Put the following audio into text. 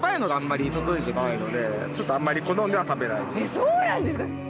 そうなんですか！？